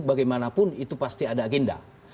bagaimanapun itu pasti ada agenda